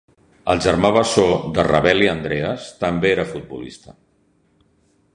El germà bessó de Ravelli, Andreas, també era futbolista.